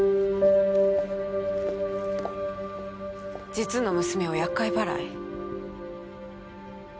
実の娘を厄介払い？